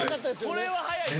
［これは早いぞ］